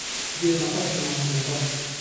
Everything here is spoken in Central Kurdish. گوێ مهقهست و مهنزل بڕ